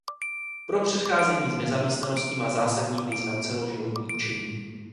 Pro předcházení nezaměstnanosti má zásadní význam celoživotní učení.